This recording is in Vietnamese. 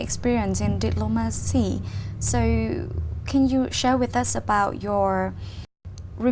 xin chào tất cả mọi người